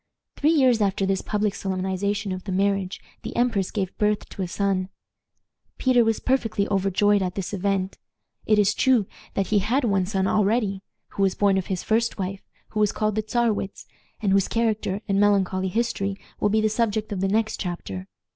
Three years after this public solemnization of the marriage the empress gave birth to a son. Peter was perfectly overjoyed at this event. It is true that he had one son already, who was born of his first wife, who was called the Czarewitz, and whose character and melancholy history will be the subject of the next chapter.